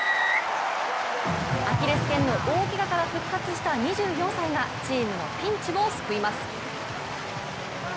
アキレスけんの大けがから復活した２４歳がチームのピンチを救います。